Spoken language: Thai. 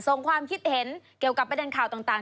ความคิดเห็นเกี่ยวกับประเด็นข่าวต่าง